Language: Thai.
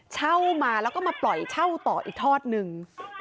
เช่ามาแล้วก็มาปล่อยเช่าต่ออีกทอดหนึ่ง